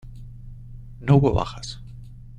No hubo bajas.